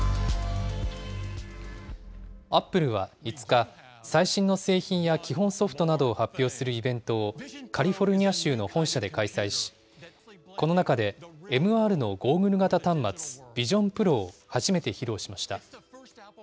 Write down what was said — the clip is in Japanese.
アップルは５日、最新の製品や基本ソフトなどを発表するイベントを、カリフォルニア州の本社で開催し、この中でＭＲのゴーグル型端末、ビジョンプロを初めて披露しました。